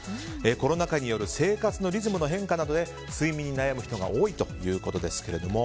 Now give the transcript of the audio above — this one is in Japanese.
コロナ禍による生活のリズムの変化などで睡眠に悩む人が多いということですけれども。